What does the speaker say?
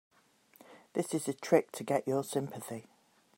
This is a trick to get your sympathy.